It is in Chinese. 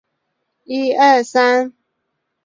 这几天因为气温低